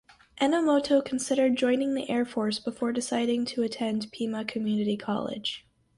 Enomoto considered joining the Air Force before deciding to attend Pima Community College.